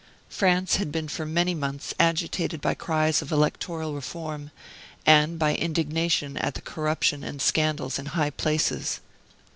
France had been for many months agitated by cries of electoral reform, and by indignation at the corruption and scandals in high places.